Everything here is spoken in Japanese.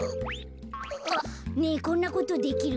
ねえこんなことできる？